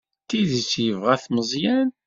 D tidet yebɣa-t Meẓyan?